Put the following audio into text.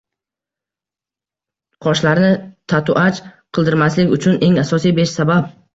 Qoshlarni tatuaj qildirmaslik uchun eng asosiy besh sabab